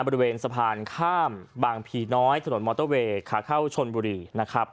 บริเวณสะพานข้ามบางผีน้อยถนนมอเตอร์เวย์ขาเข้าชนบุรีนะครับ